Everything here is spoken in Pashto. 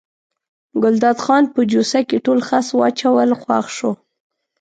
ګلداد خان په جوسه کې ټول خس واچول خوښ شو.